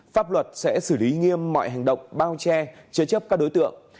pháp luật sẽ xử lý nghiêm mọi hành động bao che chế chấp các đối tượng